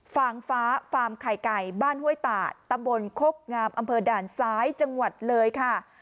ฟางฟ้าฟาร์มไข่ไก่บ้านห้วยตาดตำบลโคกงามอำเภอด่านซ้ายจังหวัดเลยค่ะ